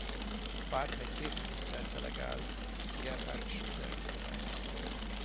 A párt még két minisztert delegált Gerhard Schröder kormányába.